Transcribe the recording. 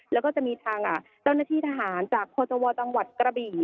แล้วก็จะมีทางเจ้าหน้าที่ทหารจากพจวจังหวัดกระบี่